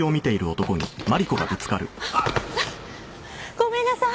ごめんなさい！